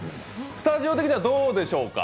スタジオ的にはどうでしょうか？